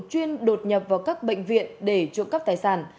chuyên đột nhập vào các bệnh viện để trộm cắp tài sản